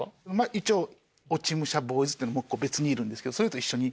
一応落武者ＢＯＷＹＳってのもう一個別にいるんですけどそれと一緒に。